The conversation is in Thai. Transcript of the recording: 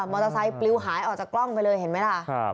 อเตอร์ไซค์ปลิวหายออกจากกล้องไปเลยเห็นไหมล่ะ